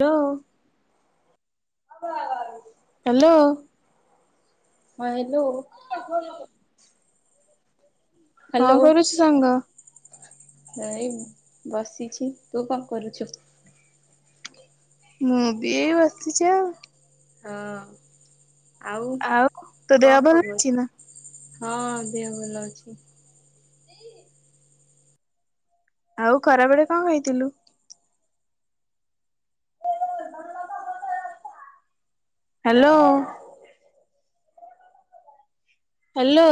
Hello [unintelligible] hello. ହଁ hello. [unintelligible] କଣ କରୁସ୍ ସାଙ୍ଗ? ନାଇ ବସିଛି ତୁ କଣ କରୁଛୁ? ମୁଁ ବି ଏଇ ବସିଛି ଆଉ। ହଁ ଅ। ଆଉ ତୋ ଦେହ ଭଲ ଅଛି ନା? ହଁ ଅ ଦେହ ଭଲ ଅଛି। ଦେଇ। ଆଉ ଖରାବେଳେ କଣ ଖାଇଥିଲୁ? ହାଲୋ। ହାଲୋ।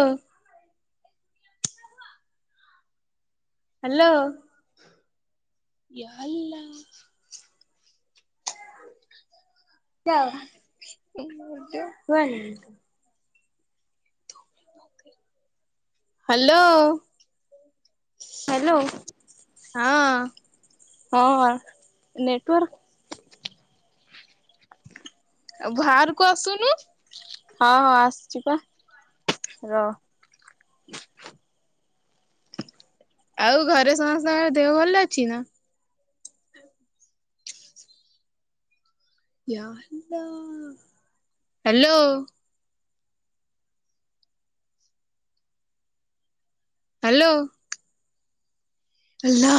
ହାଲୋ। ୟା ଇ ଲା। ଯାଅ [unintelligible] ହାଲୋ ହ୍ୟାଲୋ ହଁ। ହଁ ନେଟୱାର୍କ୍ ଆଉ ବାହାରକୁ ଆସୁନୁ। ହଁ ହଁ ଆସଛି ବା ରହ। ଆଉ ଘରେ ସମସ୍ତଙ୍କ ଦେହ ଭଲ ଅଛି ନା? [unintelligible] ହ୍ୟାଲୋ। ହ୍ୟାଲୋ। ହ୍ୟାଲୋ।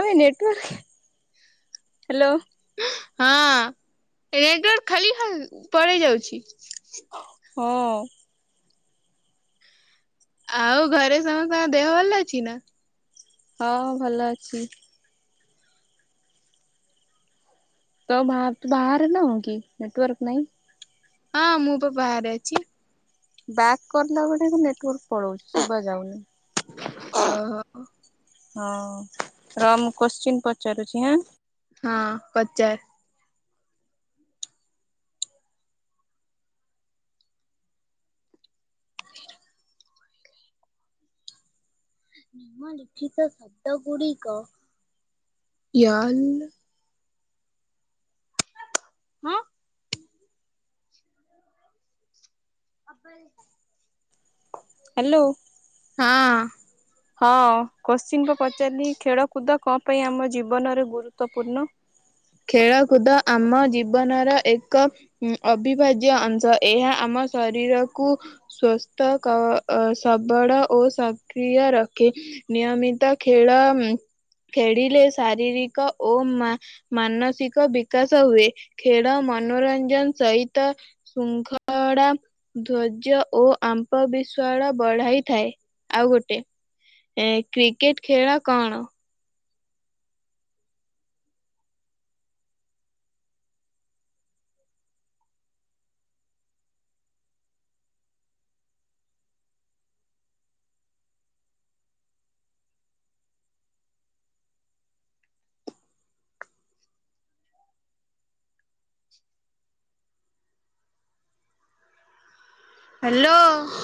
ଆବେ ନେଟୱାର୍କ ହ୍ୟାଲୋ। ହଁ ନେଟୱର୍କ ଖାଲି ପଳାଇ ଯାଉଛି। ହଁ। ଆଉ ଘରେ ସମସ୍ତଙ୍କ ଦେହ ଭଲ ଅଛି ନା। ହଁ ଭଲ ଅଛି। ତ ବାହରେ ତ ବାହାରେ ନାହୁଁ କି? ନେଟୱର୍କ ନାହିଁ। ହଁ ମୁଁ ପା ବାହାରେ ଅଛି। ବ୍ୟାକ୍ କଲା ବେଳେ ନେଟୱାର୍କ ପଳଉଛି ଶୁଭା ଯାଉନି। ଓହୋ। ହଁ ରହ ମୁଁ କୋଶ୍ଚିନ୍ ପଚାରୁଛି ଆଁ। ହଁ ପଚାର। ନିମ ଲିଖିତ ଶବ୍ଦ ଗୁଡିକ ହଁ। [unintelligible] ହ୍ୟାଲୋ। ହଁ। ହଁ କୋଶ୍ଚିିନ ପ ପଚାରିଲି ଖେଳକୁଦ କଣ ପାଇଁ ଆମ ଜୀବନରେ ଗୁରୁତ୍ୱପୂର୍ଣ୍ଣ? ଖେଳକୁଦ ଆମ ଜୀବନର ଏକ ଉଁ ଅବିଭାଜ୍ୟ ଅଂଶ। ଏହା ଆମ ଶରୀରକୁ ସ୍ଵସ୍ଥ କ ଅ ସବଡ ଓ ସକ୍ରିୟ ରଖେ। ନିୟମିତ ଖେଳ ଖେଡିଲେ ଶାରୀରିକ ଓ ମା ମାନସିକ ବିକାଶ ହୁଏ। ଖେଳ ମନୋରଞ୍ଜନ ସହିତ ଶୃଙ୍ଖଳା ଧ୍ଵର୍ଯ୍ୟ ଓ ଆମ୍ପ ବିସ୍ୱାଳ ବଢାଇଥାଏ। ଆଉ ଗୋଟେ ଏ କ୍ରିକେଟ ଖେଳ କଣ? ହ୍ୟାଲୋ।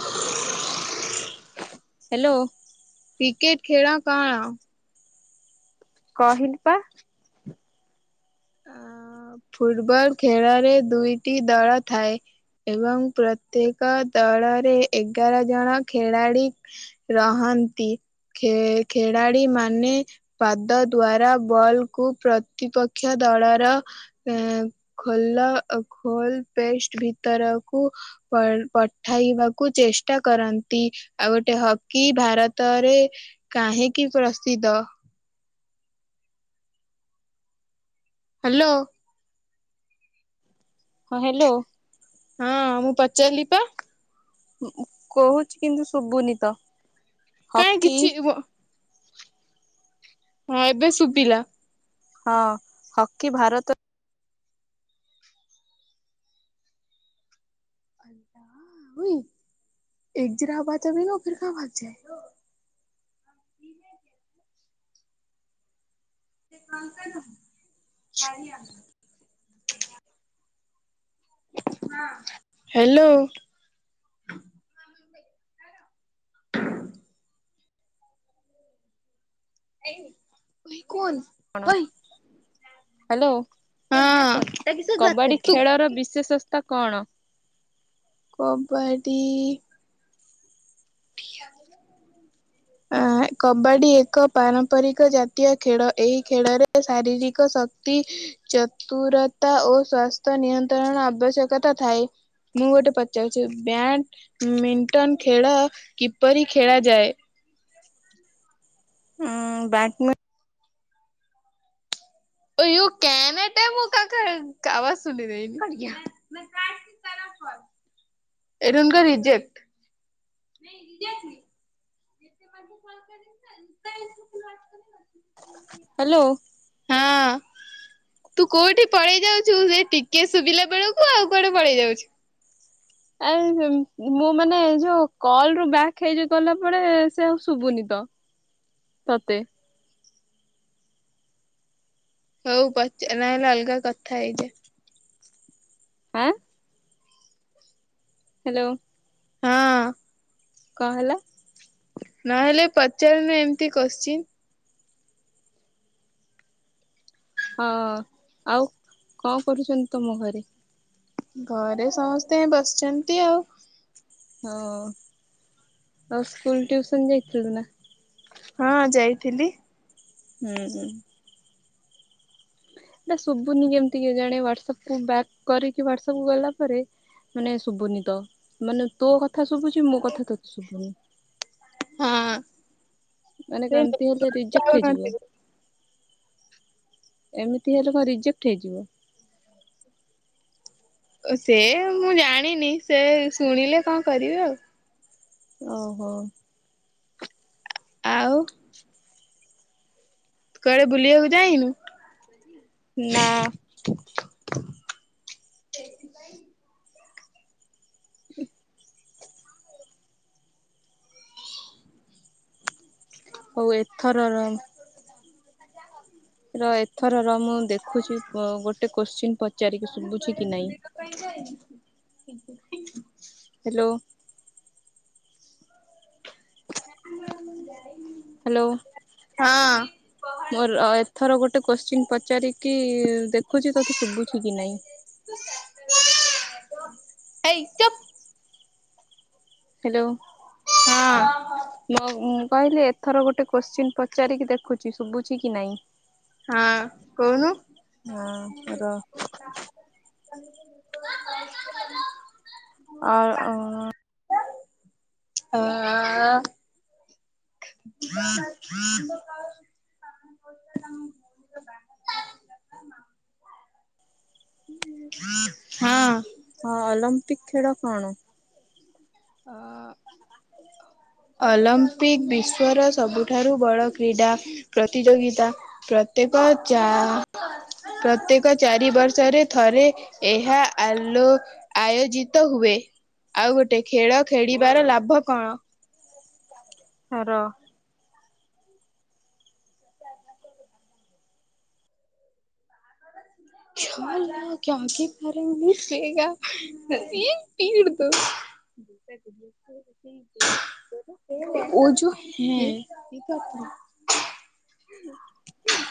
ହ୍ୟାଲୋ। କ୍ରିକେଟ ଖେଳ କଣ? କହିଲି ପା। [inaudible] ଫୁଟବଲ ଖେଳରେ ଦୁଇଟି ଦଳ ଥାଏ। ଏବଂ ପ୍ରତ୍ୟେକ ଦଳରେ ଏଗାର ଜଣ ଖେଳାଳି ରହନ୍ତି। ଖେ ଖେଳାଳି ମାନେ ପାଦ ଦ୍ଵାରା ବଲ୍ କୁ ପ୍ରତିପ ରକ୍ଷ ଦଳର ଏ ଖୋଲା ଖୋଲ ପେଷ୍ଟ ଭିତରକୁ ପ ପଠେଇବାକୁ ଚେଷ୍ଟା କରନ୍ତି। ଆଉ ଗୋଟେ ହକି ଭାରତରେ କାହିଁକି ପ୍ରସିଦ୍ଧ? ହ୍ୟାଲୋ। ହଁ ହ୍ୟାଲୋ। ହଁ ମୁଁ ପଚାରିଲି ପା। କହୁଛି କିନ୍ତୁ ଶୁବୁନି ତ। କାହିଁ ହକି କିଛି ୱ। ହଁ ଏବେ ଶୁଭିଲା। ହଁ ହକି ଭାରତ ଉଇଏକ ଜ ରା ବା ଅବ ଫର କା ଭାଗ ଯଏ [unintelligible] ସେ କଣ କଲୁ କାରିଆ। ହାଁ ହ୍ୟାଲୋ। ଏଇ ଏ କଣ। କଣ ହ୍ୟାଲୋ କବାଡି ଖେଳର ବିଶେଷସ୍ତା କଣ? କବାଡ଼ି ଆ କବାଡ଼ି ଏକ ପାରମ୍ପରିକ ଜାତୀୟ ଖେଳ ଏହି ଖେଳରେ ଶାରୀରିକ ଶକ୍ତି ଚତୁରତା ଓ ସ୍ୱାସ୍ଥ୍ୟ ନିୟନ୍ତ୍ରଣ ଆବଶ୍ୟକତା ଥାଏ। ମୁଁ ଗୋଟେ ପଚାରୁଛି ବ୍ୟାଡ୍‌ମିଣ୍ଟନ ଖେଳ କିପରି ଖେଳାଯାଏ? ଉଁ ବ୍ୟାଟମିଟ ଓୟୁ କାନ ଟାଇ ମୁ କା କାବା ସୁନିଦେବି ଏ ରୁମ ଟା ରିଜେକ୍ଟ। ହ୍ୟାଲୋ। ହଁ ତୁ କୋଉଠି ପଳେଇ ଯାଉଛୁ ସେ ଟିକେ ଶୁଭିଲା ବେଳକୁ ଆଉ କୁଆଡେ ପଳେଇ ଯାଉଛୁ। ଆ ମୁଁ ମାନେ ଯୋଉ କଲରୁ ବ୍ୟାକ ହେଇ ଗଲାପରେ ସେ ଆଉ ଶୁଭୁନି ତ ତତେ? ହଉ ପଚ ନା ହେଲେ ଅଲଗା କଥା ହେଇଯା। ଆଁ। ହ୍ୟାଲୋ। ହଁ। କଅଁ ହେଲା। ନହେଲେ ପଚାରନୁ ଏମିତି କୋଶ୍ଚିନ୍। ହଁ ଆଉ କଅଁ କରୁଛନ୍ତି ତମ ଘରେ? ଘରେ ସମସ୍ତେ ବସିଛନ୍ତି ଆଉ ହଁ ଆଉ ସ୍କୁଲ ଟ୍ୟୁସନ ଯାଇଥିଲୁ ନା। ହଁ ଯାଇଥିଲି। ହୁଁ ହୁଁ। ଏଟା ଶୁଭୁନି କେମିତି କେ ଜାଣି ହ୍ୱାଟସପ ବ୍ୟାକ୍ କରିକି ହ୍ଵାଟସପକୁ ଗଲା ପରେ ମାନେ ଶୁଭୁନି ତ ମାନେ ତୋ କଥା ଶୁଭୁଛି ମୋ କଥା ତତେ ଶୁଭୁନି। ହଁ। ମାନେ ସେ କେମିତି ହେଲେ ନେଟୱାର୍କ ରିଜେକ୍ଟ ହେଇଯିବ। ପାଉନଥିବ। ଏମିତି ହେଲେ କଅଁ ରିଜେକ୍ଟ ହେଇଯିବ? ଓ ସେ ମୁଁ ଜାଣିନି ସେ ଶୁଣିଲେ କଅଁ କରିବେ ଆଉ। ଓହୋ। ଆଉ କୁଆଡେ ବୁଲିବାକୁ ଯାଇନୁ? ନା ହୁଁ ହଉ ଏଥରର ର ଏଥରର ମୁଁ ଦେଖୁଛି ଗୋଟେ କୋଶ୍ଚିନ୍ ପଚାରିକି ଶୁଭୁଛି କି ନାହିଁ? [inaudible] ହ୍ୟାଲୋ ନାଇ ପା ମୁଁ ଯାଇନି ହ୍ୟାଲୋ ମୋର ଏଥର ଗୋଟେ କୋଶ୍ଚିନ୍ ପଚାରିକି ଦେଖୁଛି ତତେ ଶୁଭୁଛି କି ନାହିଁ? ହେଇ ଚୁପ୍ ହ୍ୟାଲୋ ହଁ, ମୁଁ କହିଲି ଏଥର ଗୋଟେ କୋଶ୍ଚିନ୍ ପଚାରିକି ଦେଖୁଛି ଶୁଭୁଛି କି ନାହିଁ? ହଁ, କହୁନୁ? ହଁ ର ଅ [unintelligible] ହଁ, ହଁ, ଅଲମ୍ପିକ ଖେଳ କଣ? ଆ ଅଲମ୍ପିକ୍ ବିଶ୍ୱର ସବୁଠାରୁ ବଡ଼ କ୍ରୀଡ଼ା। ପ୍ରତିଯୋଗିତା। ପ୍ରତ୍ୟେକ ଯା ପ୍ରତ୍ୟେକ ଚାରି ବର୍ଷରେ ଥରେ ଏହା ଆଲୋ ଆୟୋଜିତ ହୁଏ। ଆଉ ଗୋଟେ ଖେଳ ଖେଳିବାର ଲାଭ କଣ? ର [unintelligible] ଉ ଯୁ ହେଁ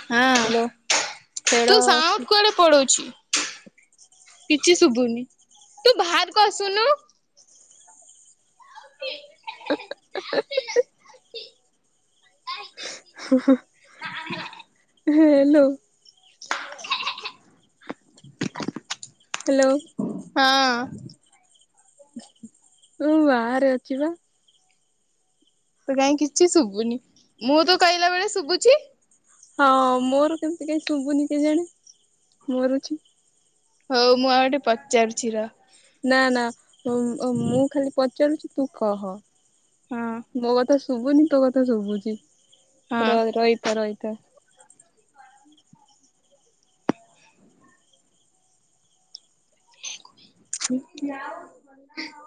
ହଁ, ହ୍ୟାଲୋ ଖେଳ ତୁ ସାଉଣ୍ଡ କୁଆଡେ ପଳଉଛି? କିଛି ଶୁଭୁନି, ତୁ ବାହାରକୁ ଆସୁନୁ। ହଁ କି? ହୁଁ, ହୁଁ ହ୍ୟାଲୋ! ହ୍ୟାଲୋ! ହଁ, ମୁ ବାହାରେ ଅଛି ବା। ତ କାଇଁ କିଛି ଶୁଭୁନି ମୁଁ ତ କହିଲା ବେଳେ ଶୁଭୁଛି? ହଁ, ମୋର କେମିତି କାହିଁ ଶୁଭୁନି କେଜାଣି ମୋର ହଉ ମୁଁ ଆଉ ଗୋଟେ ପଚାରୁଛି ରହ। ନା, ନା ମୁଁ ଖାଲି ପଚାରୁୁଛି, ତୁ କହ। ହଁ। ମୋ କଥା ଶୁଭୁନି ତୋ କଥା ଶୁଭୁଛି ହଁ ର ରହିତା ରହିତା।। [unintelligible]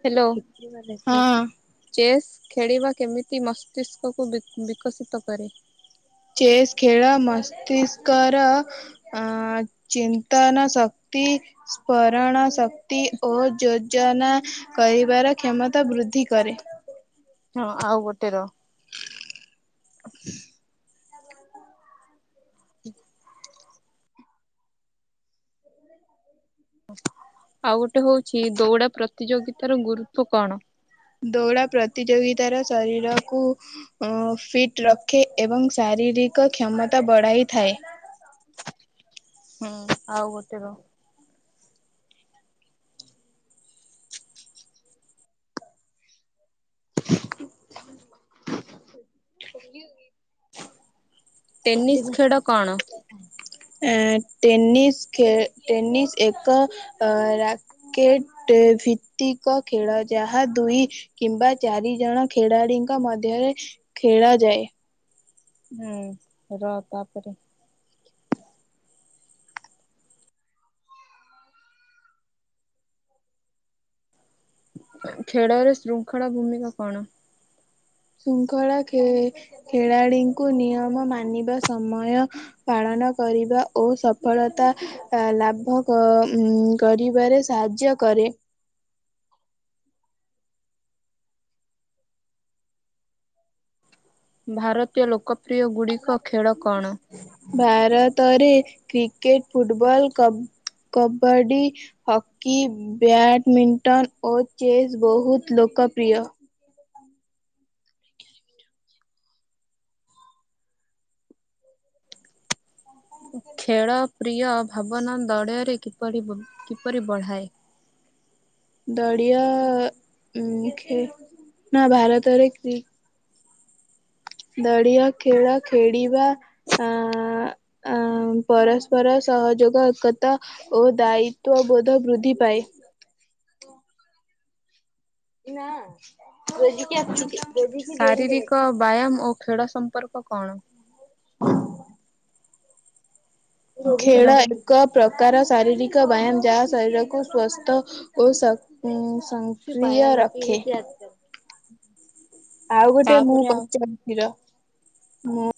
ହ୍ୟାଲୋ ଚେସ୍ ଖେଳିବା କେମିତି ମସ୍ତିଷ୍କକୁ ବିକଶିତ କରେ? ଚେସ୍ ଖେଳ ମସ୍ତିଷ୍କର ଅ ଚିନ୍ତନ ଶକ୍ତି ସ୍ମରଣ ଶକ୍ତି ଓ ଯୋଜନା କରିବାର କ୍ଷମତା ବୃଦ୍ଧି କରେ। ହଁ, ଆଉ ଗୋଟେ ରହ? ହ [unintelligible] ହଁ [unintelligible] ଆଉ ଗୋଟେ ହଉଛି ଦୌଡ଼ା ପ୍ରତିଯୋଗିତା ର ଗୁରୁତ୍ଵ କଣ? ଦୌଡ଼ା ପ୍ରତିଯୋଗିତାର ଶରୀରକୁ ଅ ଫିଟ ରଖେ ଏବଂ ଶାରୀରିକ କ୍ଷମତା ବଢାଇଥାଏ। ହୁଁ ଆଉ ଗୋଟେ ରହ ଏତେ ଟେନିସ୍ ବା ଖେଳ କଣ? [unintelligible] ଟେନିସ ଖେଳ ଟେନିସ ଏକ କ୍ରିକେଟ ଭିତ୍ତିକ ଖେଳ ଯାହା ଦୁଇ କିମ୍ବା ଚାରି ଜଣ ଖେଳାଳିଙ୍କ ମଧ୍ୟରେ ଖେଳ ଯାଏ। ହୁଁ ରହ ତାପରେ ଖେଳରେ ଶୃଙ୍ଖଳା ଭୂମିକା କଣ? ଶୃଙ୍ଖଳା ଖେ ଖେଳାଳିଙ୍କୁ ନିୟମ ମାନିବା ସମୟ ପାଳନ କରିବା ଓ ସଫଳତା ଅ ଲାଭ କରିବାରେ ସାହାଯ୍ୟ କରେ ଭାରତୀୟ ଲୋକପ୍ରିୟ ଗୁଡ଼ିକ ଖେଳ କଣ? ଭାରତରେ cricket football kabaddi hockey badminton ଓ ଚେସ୍ ବହୁତ ଲୋକପ୍ରିୟ ଖେଳ ପ୍ରିୟ ଭାବନା ଦଳୟରେପରି କିପରି ବଢ଼ାଏ? ଦଡିଆ ଉ ନା ଭାରତରେ କି ନଡିଆ ଖେଳ ଖେଳିବା [inaudible] ଅ ପରସ୍ପର ସହଯୋଗ ଏକତା ଓ ଦାୟିତ୍ଵ ବୋଧ ବୃଦ୍ଧି ପାଏ ନାିକ ଆସଛୁ [unintelligible] ଶାରୀରିକ ବ୍ୟାୟାମ ଓ ଖେଳ ସମ୍ପର୍କ କଣ? ହଁ [inaudible] ଖେଳ ହ୍ୟାଲୋ ଏକ ପ୍ରକାର ଶାରୀରିକ ବ୍ୟାୟାମ ଯାହା ଶରୀରକୁ ସ୍ଵସ୍ଥ ଓ ସ ସଂକ୍ରିୟ ରଖେ ଆଉ ଗୋଟେ ମୁଁ ତାପରେ ଆଉ ପଚାରୁଛିର ମୁଁ